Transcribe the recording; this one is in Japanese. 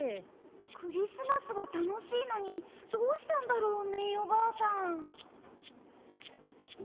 クリスマスは楽しいのにどうしたんだろうメイおばあさん